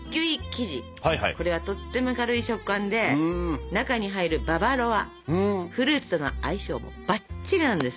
これはとっても軽い食感で中に入るババロアフルーツとの相性もバッチリなんです！